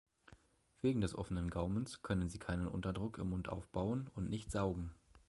Wegen des offenen Gaumens können sie keinen Unterdruck im Mund aufbauen und nicht saugen.